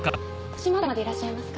島崎様でいらっしゃいますか？